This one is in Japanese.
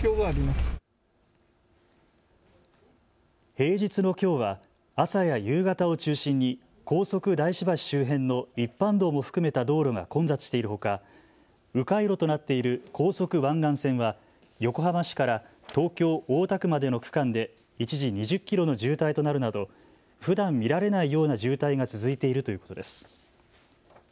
平日のきょうは朝や夕方を中心に高速大師橋周辺の一般道も含めた道路が混雑しているほかう回路となっている高速湾岸線は横浜市から東京大田区までの区間で一時２０キロの渋滞となるなどふだん見られないような渋滞が続いているということです。